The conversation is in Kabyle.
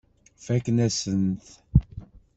Fakken-asen-t.